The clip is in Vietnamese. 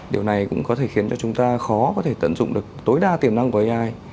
điều này cũng có thể khiến cho chúng ta khó có thể tận dụng được tối đa tiềm năng của ai